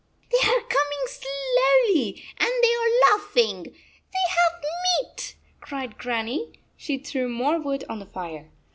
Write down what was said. "They are coming slowly and they are laughing. They have meat," cried Grannie. She threw more wood on the fire.